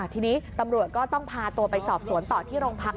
ทีนี้ตำรวจก็ต้องพาตัวไปสอบสวนต่อที่โรงพัก